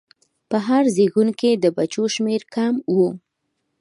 په هر زېږون کې د بچو شمېر کم و.